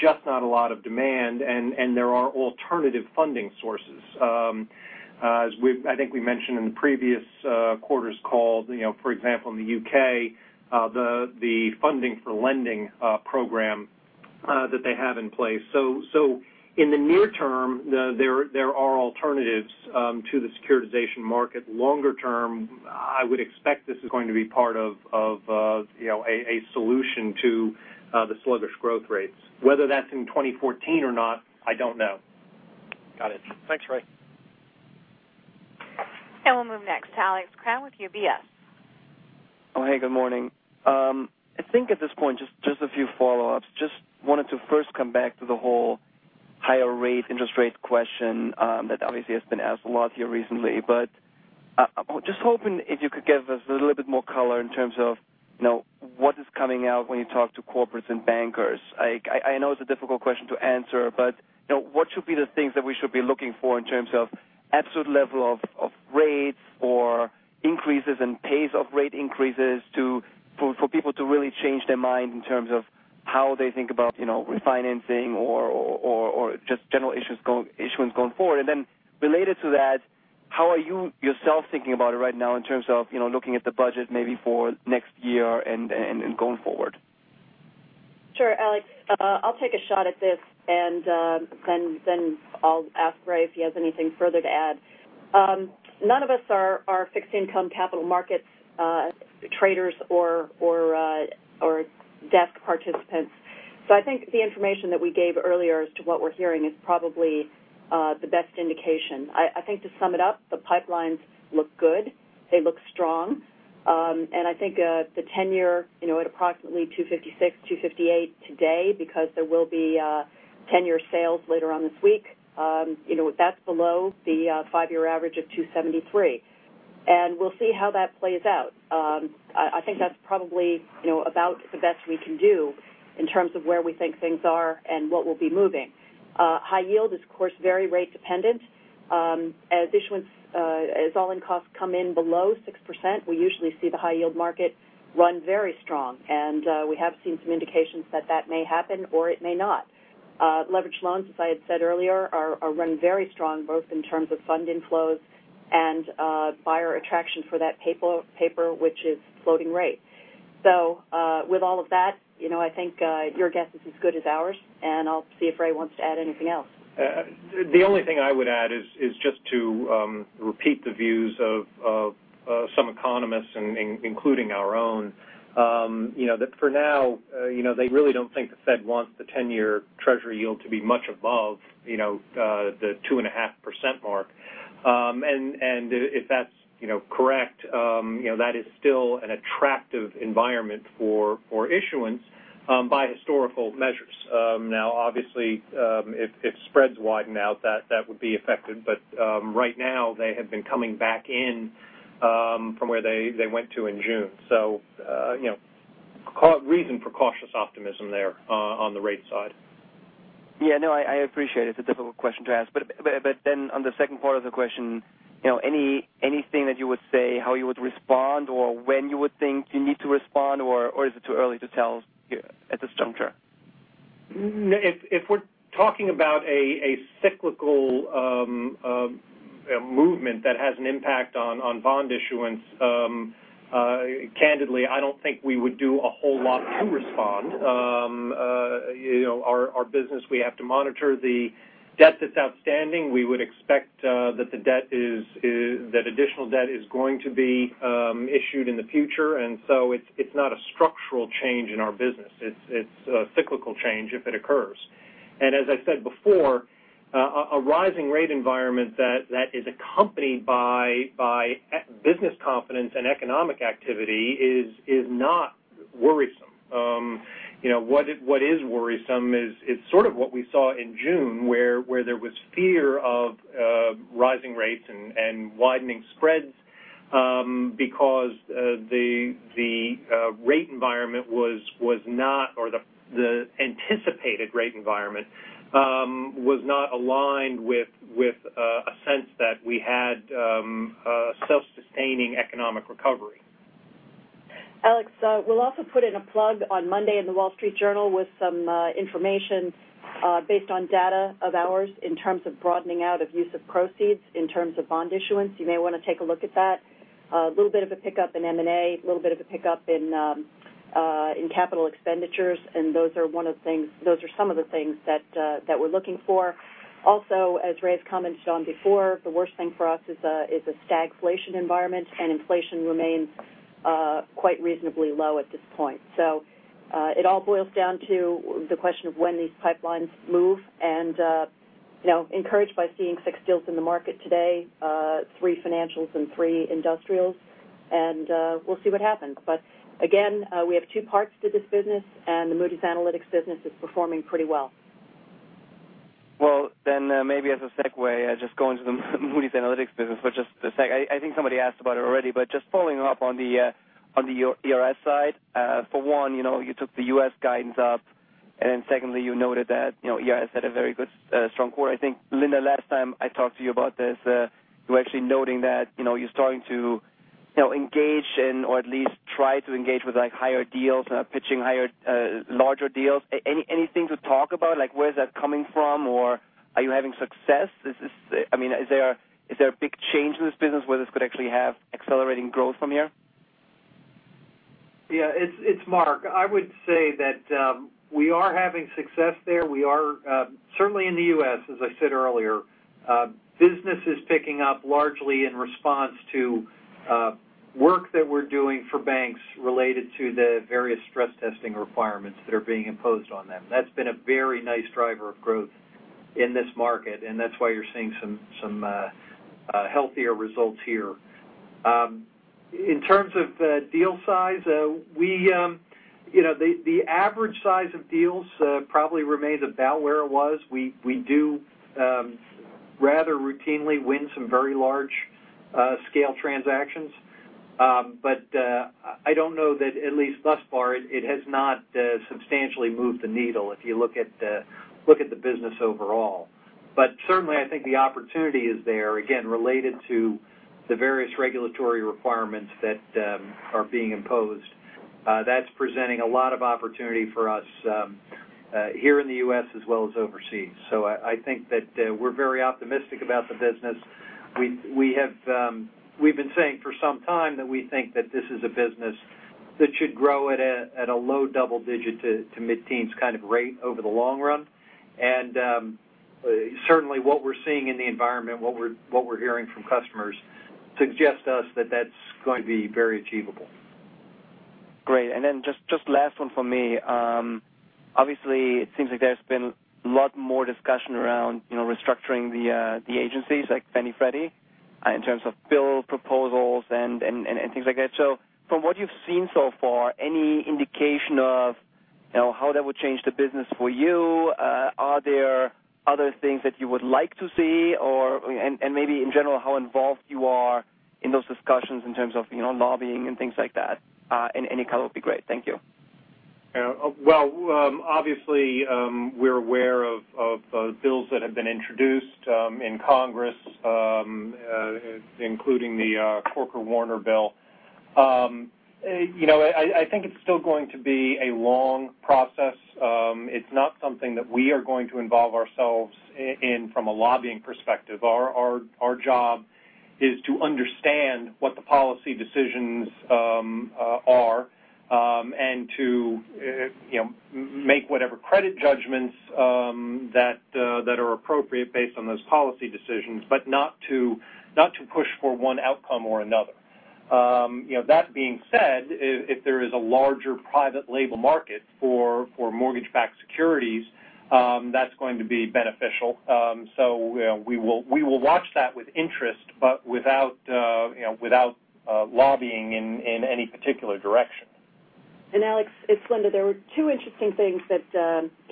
just not a lot of demand, there are alternative funding sources. I think we mentioned in the previous quarter's call, for example, in the U.K., the Funding for Lending Program that they have in place. In the near term, there are alternatives to the securitization market. Longer term, I would expect this is going to be part of a solution to the sluggish growth rates. Whether that's in 2014 or not, I don't know. Got it. Thanks, Ray. We'll move next to Alex Kramm with UBS. Hey, good morning. I think at this point, just a few follow-ups. Just wanted to first come back to the whole higher rate, interest rate question that obviously has been asked a lot here recently. Just hoping if you could give us a little bit more color in terms of what is coming out when you talk to corporates and bankers. I know it's a difficult question to answer, but what should be the things that we should be looking for in terms of absolute level of rates or increases in pace of rate increases for people to really change their mind in terms of how they think about refinancing or just general issuance going forward? Related to that, how are you yourself thinking about it right now in terms of looking at the budget maybe for next year and going forward? Sure, Alex. I'll take a shot at this. I'll ask Ray if he has anything further to add. None of us are fixed income capital markets traders or desk participants. I think the information that we gave earlier as to what we're hearing is probably the best indication. I think to sum it up, the pipelines look good. They look strong. I think the 10-year at approximately 256, 258 today because there will be 10-year sales later on this week. That's below the five-year average of 273. We'll see how that plays out. I think that's probably about the best we can do in terms of where we think things are and what will be moving. High yield is, of course, very rate dependent. As all-in costs come in below 6%, we usually see the high yield market run very strong. We have seen some indications that that may happen or it may not. Leveraged loans, as I had said earlier, are run very strong, both in terms of fund inflows and buyer attraction for that paper which is floating rate. With all of that, I think your guess is as good as ours, and I'll see if Ray wants to add anything else. The only thing I would add is just to repeat the views of some economists, including our own. That for now, they really don't think the Fed wants the 10-year Treasury yield to be much above the 2.5% mark. If that's correct, that is still an attractive environment for issuance by historical measures. Now, obviously, if spreads widen out, that would be affected. Right now they have been coming back in from where they went to in June. Reason for cautious optimism there on the rate side. Yeah, no, I appreciate it. It's a difficult question to ask. On the second part of the question, anything that you would say how you would respond or when you would think you need to respond, or is it too early to tell at this juncture? If we're talking about a cyclical movement that has an impact on bond issuance, candidly, I don't think we would do a whole lot to respond. Our business, we have to monitor the debt that's outstanding. We would expect that additional debt is going to be issued in the future. It's not a structural change in our business. It's a cyclical change if it occurs. As I said before, a rising rate environment that is accompanied by business confidence and economic activity is not worrisome. What is worrisome is sort of what we saw in June, where there was fear of rising rates and widening spreads, because the rate environment or the anticipated rate environment was not aligned with a sense that we had a self-sustaining economic recovery. Alex, we'll also put in a plug on Monday in The Wall Street Journal with some information based on data of ours in terms of broadening out of use of proceeds in terms of bond issuance. You may want to take a look at that. A little bit of a pickup in M&A, a little bit of a pickup in capital expenditures, and those are some of the things that we're looking for. Also, as Ray's commented on before, the worst thing for us is a stagflation environment, and inflation remains quite reasonably low at this point. It all boils down to the question of when these pipelines move and encouraged by seeing six deals in the market today, three financials and three industrials, and we'll see what happens. Again, we have two parts to this business, and the Moody's Analytics business is performing pretty well. Maybe as a segue, I'll just go into the Moody's Analytics business for just a sec. I think somebody asked about it already. Just following up on the ERS side. For one, you took the U.S. guidance up, secondly, you noted that ERS had a very good strong quarter. I think, Linda, last time I talked to you about this, you were actually noting that you're starting to engage in, or at least try to engage with higher deals, pitching larger deals. Anything to talk about? Where is that coming from, or are you having success? Is there a big change in this business where this could actually have accelerating growth from here? Yeah, it's Mark. I would say that we are having success there. We are certainly in the U.S., as I said earlier. Business is picking up largely in response to work that we're doing for banks related to the various stress testing requirements that are being imposed on them. That's been a very nice driver of growth in this market, and that's why you're seeing some healthier results here. In terms of deal size, the average size of deals probably remains about where it was. We do rather routinely win some very large-scale transactions. I don't know that at least thus far, it has not substantially moved the needle if you look at the business overall. Certainly, I think the opportunity is there, again, related to the various regulatory requirements that are being imposed. That's presenting a lot of opportunity for us here in the U.S. as well as overseas. I think that we're very optimistic about the business. We've been saying for some time that we think that this is a business that should grow at a low double-digit to mid-teens kind of rate over the long run. Certainly, what we're seeing in the environment, what we're hearing from customers suggests to us that that's going to be very achievable. Just last one from me. Obviously, it seems like there's been a lot more discussion around restructuring the agencies like Fannie Freddie in terms of bill proposals and things like that. From what you've seen so far, any indication of how that would change the business for you? Are there other things that you would like to see? Maybe in general, how involved you are in those discussions in terms of lobbying and things like that? Any color would be great. Thank you. Well, obviously, we're aware of bills that have been introduced in Congress, including the Corker-Warner Bill. I think it's still going to be a long process. It's not something that we are going to involve ourselves in from a lobbying perspective. Our job is to understand what the policy decisions are and to make whatever credit judgments that are appropriate based on those policy decisions, but not to push for one outcome or another. That being said, if there is a larger private label market for mortgage-backed securities, that's going to be beneficial. We will watch that with interest, but without lobbying in any particular direction. Alex, it's Linda. There were two interesting things that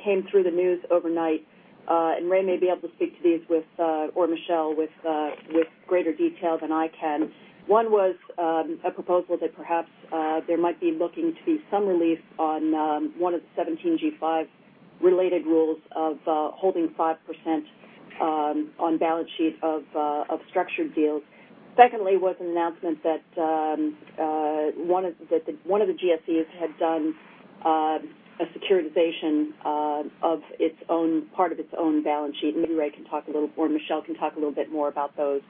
came through the news overnight, and Ray may be able to speak to these with, or Michel, with greater detail than I can. One was a proposal that perhaps there might be looking to be some relief on one of the Rule 17g-5 related rules of holding 5% on balance sheet of structured deals. Secondly, was an announcement that one of the GSEs had done a securitization of part of its own balance sheet. Maybe Ray can talk a little, or Michel can talk a little bit more about those.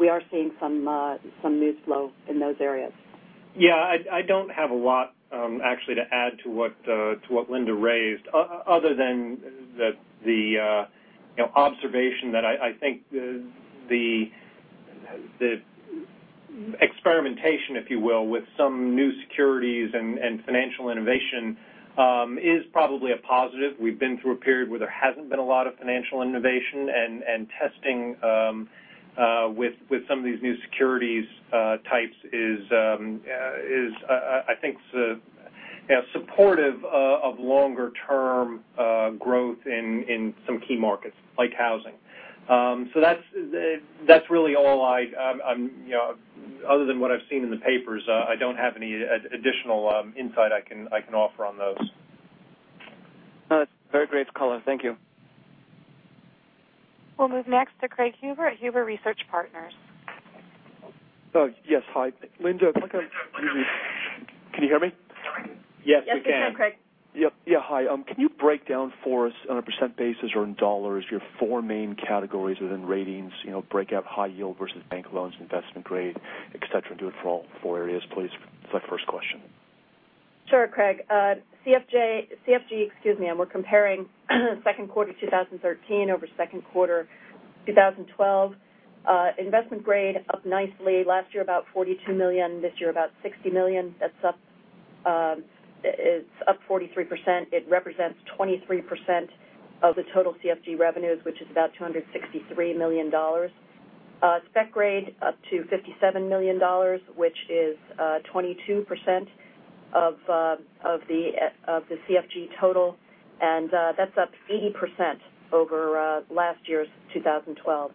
We are seeing some news flow in those areas. Yeah. I don't have a lot actually to add to what Linda raised other than the observation that I think the experimentation, if you will, with some new securities and financial innovation is probably a positive. We've been through a period where there hasn't been a lot of financial innovation and testing with some of these new securities types is I think supportive of longer-term growth in some key markets like housing. That's really all. Other than what I've seen in the papers, I don't have any additional insight I can offer on those. That's very great color. Thank you. We'll move next to Craig Huber at Huber Research Partners. Yes. Hi, Linda. Can you hear me? Yes, we can. Yes, we can, Craig. Yep. Yeah. Hi. Can you break down for us on a % basis or in $ your 4 main categories within ratings? Break out high yield versus bank loans, investment grade, et cetera, and do it for all 4 areas, please. That's my first question. Sure, Craig. CFG. We're comparing second quarter 2013 over second quarter 2012. Investment grade up nicely. Last year about $42 million. This year about $60 million. That's up 43%. It represents 23% of the total CFG revenues, which is about $263 million. Spec grade up to $57 million, which is 22% of the CFG total. That's up 80% over last year's 2012.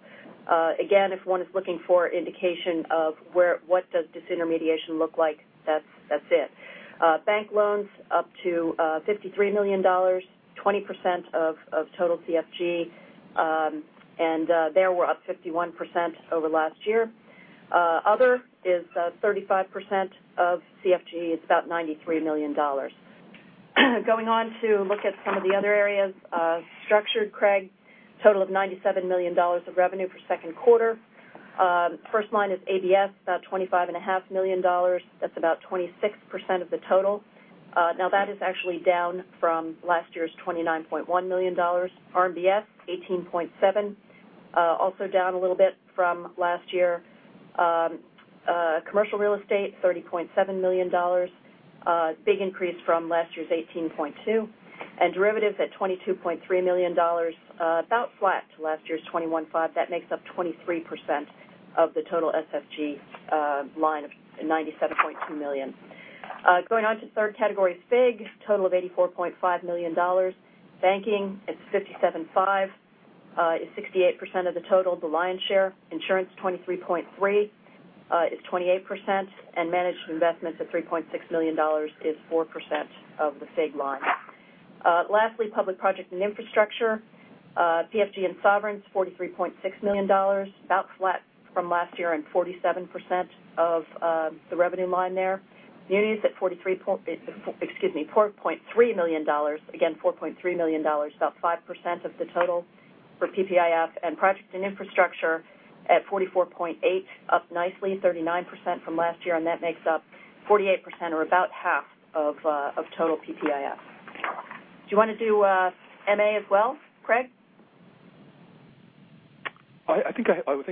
Again, if one is looking for indication of what does disintermediation look like, that's it. Bank loans up to $53 million, 20% of total CFG. There we're up 51% over last year. Other is 35% of CFG. It's about $93 million. Going on to look at some of the other areas. Structured, Craig, total of $97 million of revenue for second quarter. First line is ABS, about $25.5 million. That's about 26% of the total. That is actually down from last year's $29.1 million. RMBS, $18.7 million, also down a little bit from last year. Commercial real estate, $30.7 million. Big increase from last year's $18.2 million. Derivatives at $22.3 million, about flat to last year's $21.5 million. That makes up 23% of the total SFG line of $97.2 million. Going on to the third category is FIG, total of $84.5 million. Banking at $57.5 million is 68% of the total, the lion's share. Insurance, $23.3 million, is 28%. Managed investments at $3.6 million is 4% of the FIG line. Lastly, public project and infrastructure. PFG and Sovereigns, $43.6 million, about flat from last year and 47% of the revenue line there. Munis at $4.3 million. Again, $4.3 million, about 5% of the total for PPIF. Project and infrastructure at $44.8 million, up nicely, 39% from last year. That makes up 48% or about half of total PPIF. Do you want to do MA as well, Craig? I think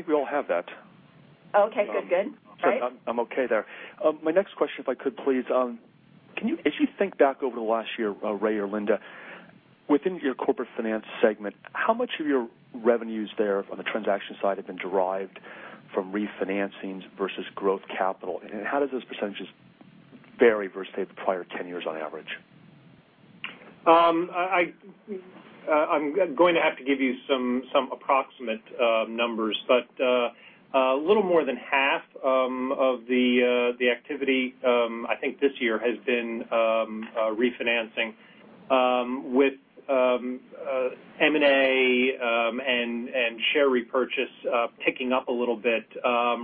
we all have that. Okay. Good. Craig? I'm okay there. My next question, if I could please. As you think back over the last year, Ray or Linda, within your Corporate Finance segment, how much of your revenues there on the transaction side have been derived from refinancings versus growth capital, and how does those percentages vary versus, say, the prior 10 years on average? A little more than half of the activity I think this year has been refinancing. With M&A and share repurchase picking up a little bit,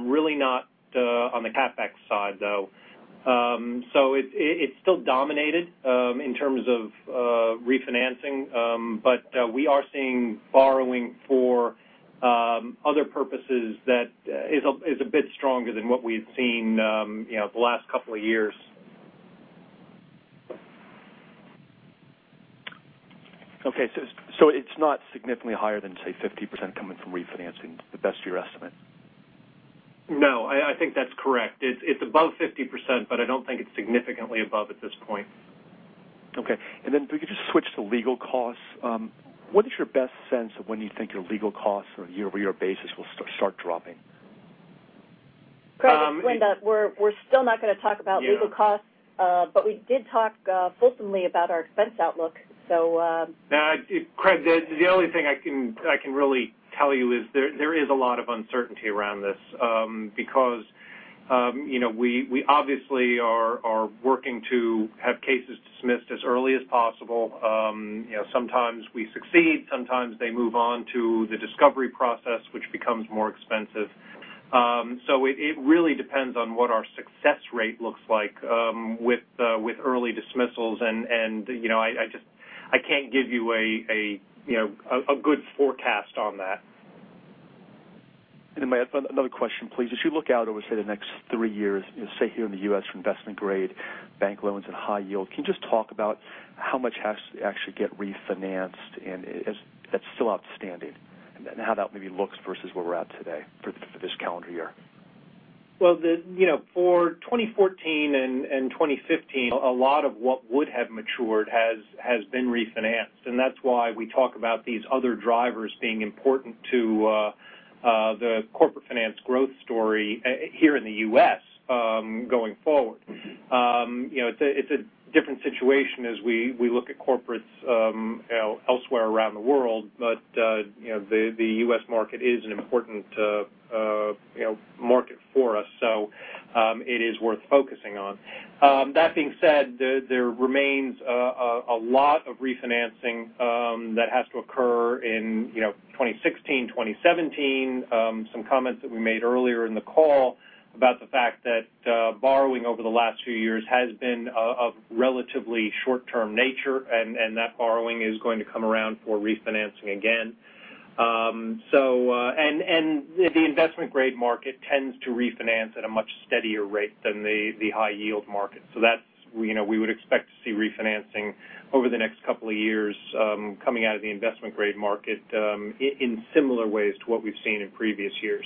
really not On the CapEx side, though. It's still dominated in terms of refinancing, but we are seeing borrowing for other purposes that is a bit stronger than what we've seen the last couple of years. Okay. It's not significantly higher than, say, 50% coming from refinancing to the best of your estimate? No, I think that's correct. It's above 50%, but I don't think it's significantly above at this point. Okay. If we could just switch to legal costs. What is your best sense of when you think your legal costs on a year-over-year basis will start dropping? Craig, it's Linda. We're still not going to talk about legal costs. Yeah. We did talk fulsomely about our expense outlook. Craig, the only thing I can really tell you is there is a lot of uncertainty around this because we obviously are working to have cases dismissed as early as possible. Sometimes we succeed, sometimes they move on to the discovery process, which becomes more expensive. It really depends on what our success rate looks like with early dismissals. I can't give you a good forecast on that. May I have another question, please? As you look out over, say, the next three years, say, here in the U.S. for investment grade bank loans and high yield, can you just talk about how much has to actually get refinanced that's still outstanding, and how that maybe looks versus where we're at today for this calendar year? Well, for 2014 and 2015, a lot of what would have matured has been refinanced. That's why we talk about these other drivers being important to the corporate finance growth story here in the U.S. going forward. It's a different situation as we look at corporates elsewhere around the world. The U.S. market is an important market for us, it is worth focusing on. That being said, there remains a lot of refinancing that has to occur in 2016, 2017. Some comments that we made earlier in the call about the fact that borrowing over the last few years has been of relatively short-term nature, and that borrowing is going to come around for refinancing again. The investment grade market tends to refinance at a much steadier rate than the high yield market. We would expect to see refinancing over the next couple of years coming out of the investment grade market in similar ways to what we've seen in previous years.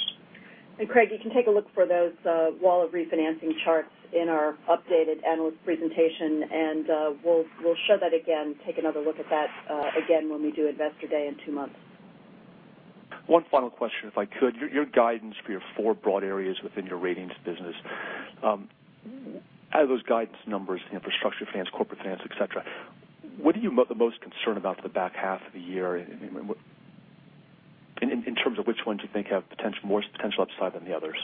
Craig, you can take a look for those wall of refinancing charts in our updated analyst presentation, and we'll show that again. Take another look at that again when we do Investor Day in two months. One final question, if I could. Your guidance for your four broad areas within your ratings business. Out of those guidance numbers, infrastructure finance, corporate finance, et cetera, what are you most concerned about for the back half of the year in terms of which ones you think have more potential upside than the others?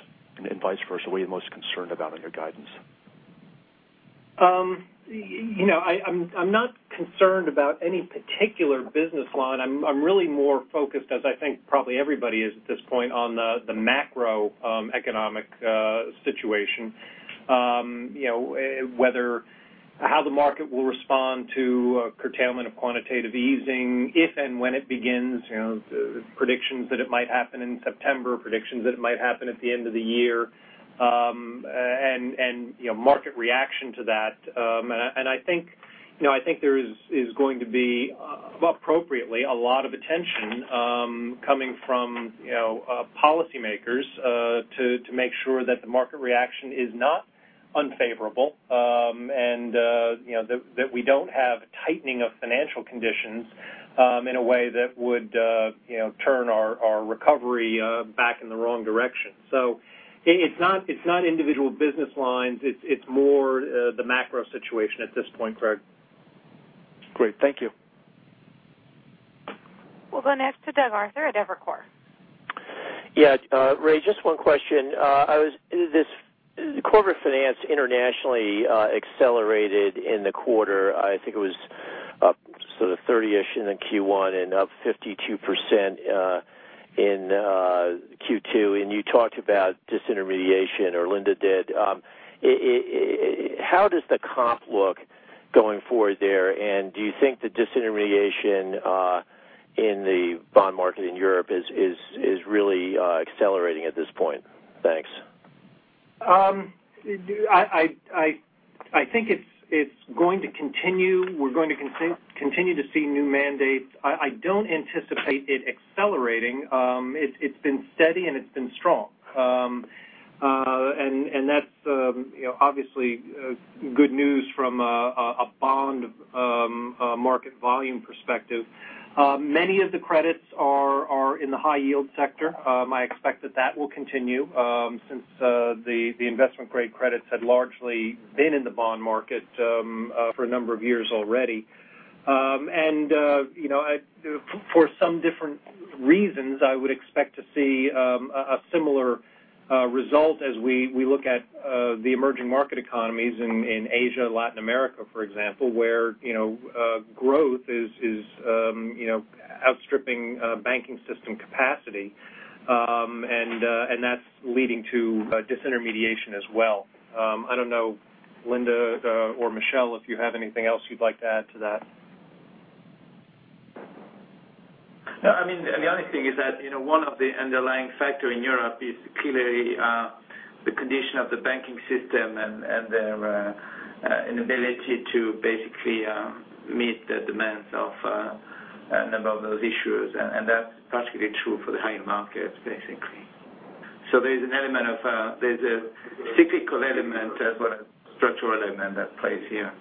Vice versa, what are you most concerned about in your guidance? I'm not concerned about any particular business line. I'm really more focused, as I think probably everybody is at this point, on the macroeconomic situation. How the market will respond to a curtailment of quantitative easing if and when it begins. Predictions that it might happen in September, predictions that it might happen at the end of the year, and market reaction to that. I think there is going to be, appropriately, a lot of attention coming from policymakers to make sure that the market reaction is not unfavorable and that we don't have a tightening of financial conditions in a way that would turn our recovery back in the wrong direction. It's not individual business lines. It's more the macro situation at this point, Craig. Great. Thank you. We'll go next to Doug Arthur at Evercore. Yeah. Ray, just one question. Corporate finance internationally accelerated in the quarter. I think it was up sort of 30-ish in Q1 and up 52% in Q2, and you talked about disintermediation, or Linda did. How does the comp look going forward there? Do you think the disintermediation in the bond market in Europe is really accelerating at this point? Thanks. I think it's going to continue. We're going to continue to see new mandates. I don't anticipate it accelerating. It's been steady and it's been strong. That's obviously good news from a bond market volume perspective. Many of the credits are in the high yield sector. I expect that that will continue since the investment grade credits had largely been in the bond market for a number of years already. For some different reasons, I would expect to see a similar result as we look at the emerging market economies in Asia, Latin America, for example, where growth is outstripping banking system capacity. That's leading to disintermediation as well. I don't know Linda or Michel, if you have anything else you'd like to add to that? No. The only thing is that one of the underlying factor in Europe is clearly the condition of the banking system and their inability to basically meet the demands of a number of those issues. That's particularly true for the high-yield markets, basically. There's a cyclical element as well as structural element at play here.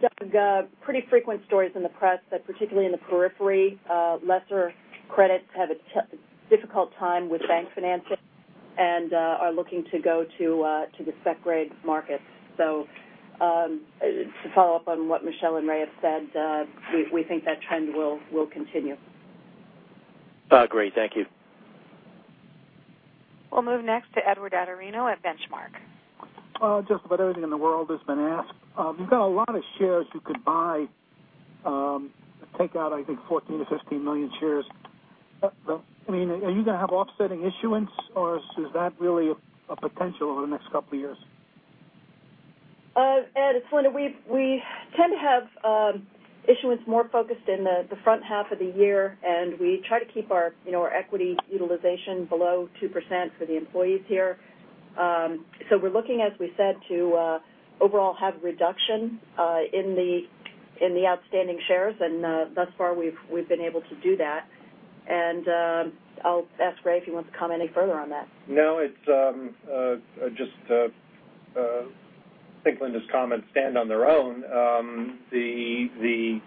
Doug, pretty frequent stories in the press that particularly in the periphery, lesser credits have a difficult time with bank financing and are looking to go to the spec-grade markets. To follow up on what Michel and Ray have said, we think that trend will continue. Great. Thank you. We'll move next to Edward Atorino at Benchmark. Just about everything in the world has been asked. You've got a lot of shares you could buy, take out, I think, 14 million-15 million shares. Are you going to have offsetting issuance, or is that really a potential over the next couple of years? Ed, it's Linda. We tend to have issuance more focused in the front half of the year, and we try to keep our equity utilization below 2% for the employees here. We're looking, as we said, to overall have a reduction in the outstanding shares, and thus far, we've been able to do that. I'll ask Ray if he wants to comment any further on that. No. I think Linda's comments stand on their own. The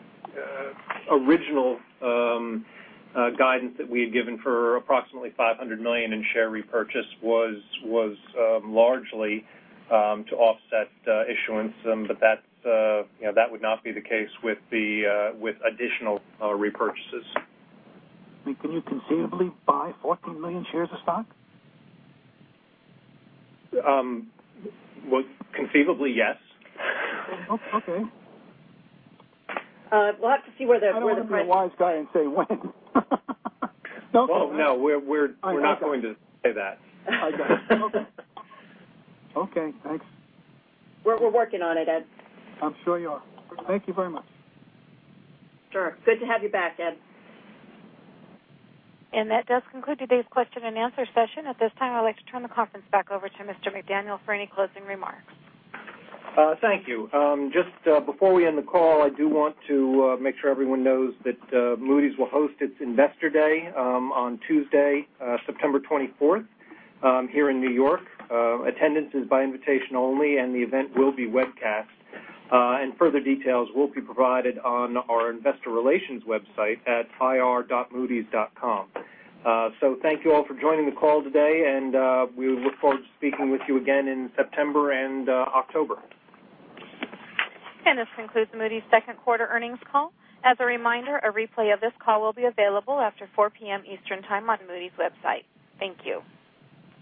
original guidance that we had given for approximately $500 million in share repurchase was largely to offset issuance. That would not be the case with additional repurchases. Can you conceivably buy 14 million shares of stock? Well, conceivably, yes. Okay. We'll have to see where the price. I don't want to be the wise guy and say when. Oh, no. We're not going to say that. I got it. Okay. Thanks. We're working on it, Ed. I'm sure you are. Thank you very much. Sure. Good to have you back, Ed. That does conclude today's question and answer session. At this time, I'd like to turn the conference back over to Mr. McDaniel for any closing remarks. Thank you. Just before we end the call, I do want to make sure everyone knows that Moody's will host its Investor Day on Tuesday, September 24th, here in New York. Attendance is by invitation only, and the event will be webcast. Further details will be provided on our investor relations website at ir.moodys.com. Thank you all for joining the call today, and we look forward to speaking with you again in September and October. This concludes the Moody's second quarter earnings call. As a reminder, a replay of this call will be available after 4:00 P.M. Eastern time on Moody's website. Thank you.